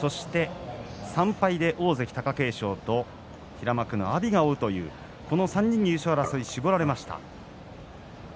３敗で大関貴景勝と平幕の阿炎が追うという、この３人に優勝争い、絞られました。